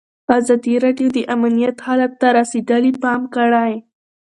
ازادي راډیو د امنیت حالت ته رسېدلي پام کړی.